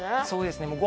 そうですね。